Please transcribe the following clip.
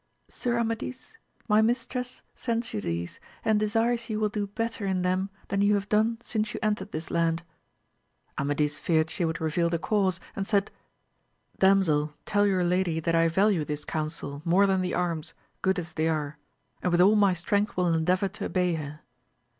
Sir Amadis, my mis tress sends you these, and desires you will do better in them than you have done since you entered this land. Amadis feared she would reveal the cause, and said. Damsel, tell your lady that I value this counsel more than the arms, good as they are, and with all my strength will endeavour to obey her.